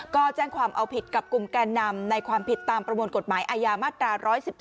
ก็แจ้งความเอาผิดกับกลุ่มแกนนำในความผิดตามประมวลกฎหมายอาญามาตรา๑๑๒